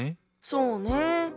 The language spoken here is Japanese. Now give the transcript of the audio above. そうね。